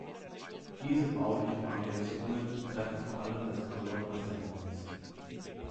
Diese baulichen Variationen betreffen vor allem das Colon ascendens.